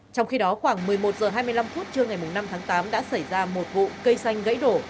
trong khi đó khoảng một mươi một h hai mươi năm phút trưa ngày năm tháng tám đã xảy ra một vụ cây xanh gãy đổ